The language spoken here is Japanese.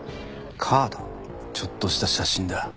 ちょっとした写真だ。